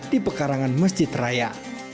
di pekarangan masjid raya